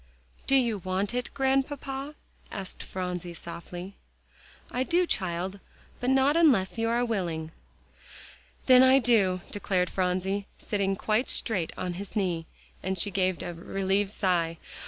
"Do you want it, Grandpapa?" asked Phronsie softly. "I do, child; but not unless you are willing" "Then I do," declared Phronsie, sitting quite straight on his knee. And she gave a relieved sigh.